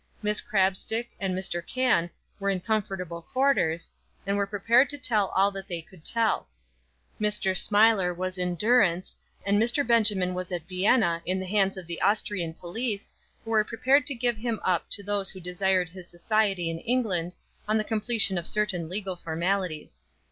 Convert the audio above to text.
Miss Crabstick and Mr. Cann were in comfortable quarters, and were prepared to tell all that they could tell. Mr. Smiler was in durance, and Mr. Benjamin was at Vienna, in the hands of the Austrian police, who were prepared to give him up to those who desired his society in England, on the completion of certain legal formalities.